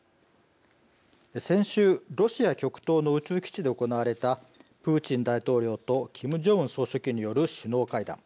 先週、ロシア極東の宇宙基地で行われたプーチン大統領とキム・ジョンウン総書記による首脳会談。